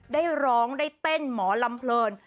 ได้ร้องได้เต้นหมอลำเพลิน